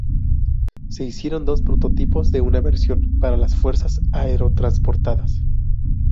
Se hicieron dos prototipos de una versión para las Fuerzas aerotransportadas.